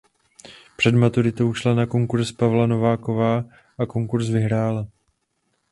Před maturitou šla na konkurz Pavla Nováka a konkurz vyhrála.